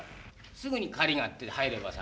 すぐに「かりが」って入ればさ。